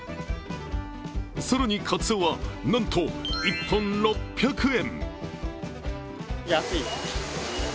更にかつおはなんと１本６００円。